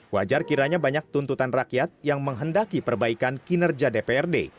wajar kiranya banyak tuntutan rakyat yang menghendaki perbaikan kinerja dprd